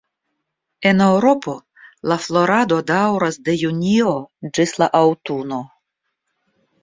En Eŭropo la florado daŭras de junio ĝis la aŭtuno.